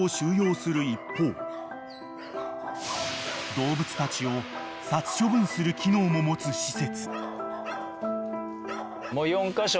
［動物たちを殺処分する機能も持つ施設］